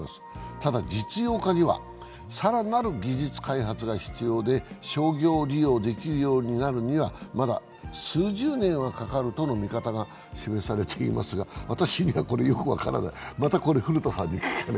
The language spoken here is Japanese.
ただ実用化には更なる技術開発が必要で商業利用できるようになるには、まだ数十年はかかるとの見方が示されていますが、私にはこれよく分からない。